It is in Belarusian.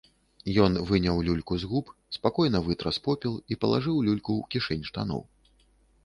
Ён выняў люльку з губ, спакойна вытрас попел і палажыў люльку ў кішэнь штаноў.